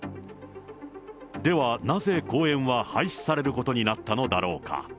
ではなぜ、公園は廃止されることになったのだろうか。